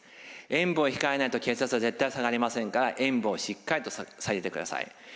塩分を控えないと血圧は絶対下がりませんから塩分をしっかりと下げてください。